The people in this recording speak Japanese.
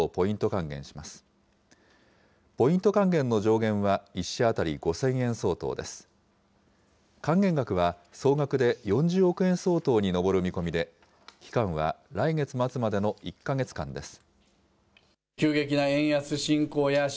還元額は総額で４０億円相当に上る見込みで、期間は来月末までの１か月間です。